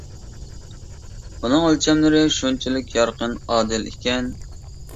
ئۇنىڭ ئۆلچەملىرى شۇنچىلىك يارقىن، ئادىل ئىكەن.